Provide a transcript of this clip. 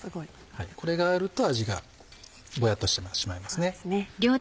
これがあると味がボヤっとしてしまいますね。